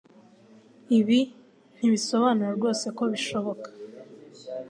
Ibi ntibisobanura rwose ko bishoboka